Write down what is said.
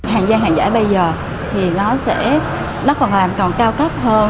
hàng gia hàng giả bây giờ thì nó sẽ nó còn làm còn cao cấp hơn